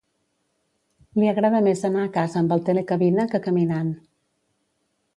Li agrada més anar a casa amb el telecabina que caminant.